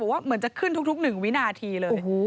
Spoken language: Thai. บอกว่าเหมือนจะขึ้นทุกหนึ่งวินาทีเลยโอ้โห